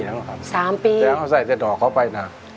แล้วเขาใส่แต่ดอกเข้าไปนะ